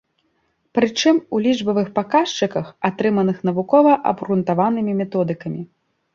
Прычым, у лічбавых паказчыках, атрыманых навукова-абгрунтаванымі методыкамі.